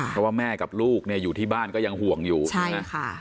เพราะว่าแม่กับลูกเนี่ยอยู่ที่บ้านก็ยังห่วงอยู่ใช่ไหม